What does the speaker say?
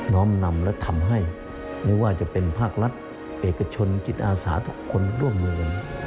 ้อมนำและทำให้ไม่ว่าจะเป็นภาครัฐเอกชนจิตอาสาทุกคนร่วมมือกัน